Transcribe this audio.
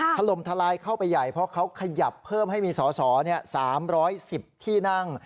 ถล่มทลายเข้าไปใหญ่เพราะเขาขยับเพิ่มให้มีสอสอ๓๑๐ที่นั่ง